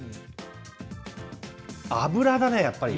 油だね、やっぱり。